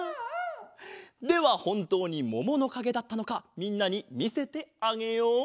ではほんとうにもものかげだったのかみんなにみせてあげよう。